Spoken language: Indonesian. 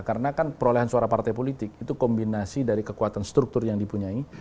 karena kan perolehan suara partai politik itu kombinasi dari kekuatan struktur yang dipunyai